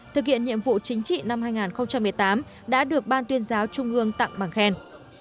thực hiện nhiệm vụ chính trị năm hai nghìn một mươi tám đã được ban tuyên giáo trung ương tặng bằng khen